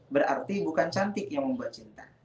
berarti bukan cantik yang membuat cinta